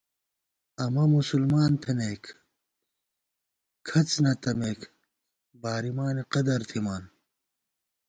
امہ مسلمان تھنَئیک، کھڅ نَتَمېک، بارِمانی قدَرتھِمان